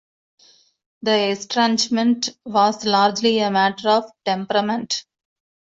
The estrangement was largely a matter of temperament.